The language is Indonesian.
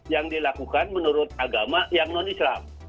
yang dilakukan menurut agama yang non islam